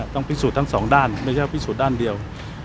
พิสูจน์ทั้งสองด้านไม่ใช่ว่าพิสูจน์ด้านเดียว